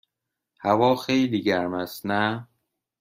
هوا خیلی گرم است، نه؟